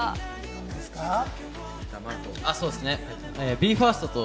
ＢＥ：ＦＩＲＳＴの。